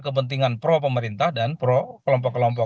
kepentingan pro pemerintah dan pro kelompok kelompok